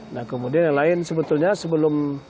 nah kemudian yang lain sebetulnya sebelum